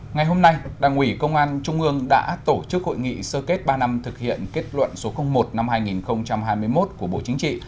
ngày hôm nay đảng ủy công an trung ương đã tổ chức hội nghị sơ kết ba năm thực hiện kết luận số một năm hai nghìn hai mươi một của bộ chính trị